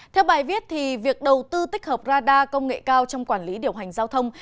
theo bài viết việc đầu tư tích hợp radar công nghệ cao trong quản lý điều hành giao thông